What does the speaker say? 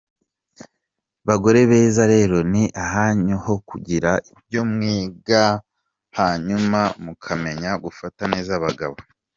Bagore beza rero ni ahanyu ho kugira ibyo mwiga hanyuma mukamenya gufata neza abagabo.